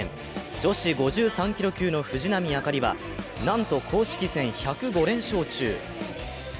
女子５３キロ級の藤浪朱理は、なんと公式戦１０５連勝中。